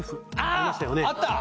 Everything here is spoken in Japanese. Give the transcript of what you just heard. ありましたよね